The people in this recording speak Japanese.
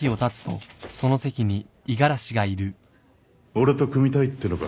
俺と組みたいってのか。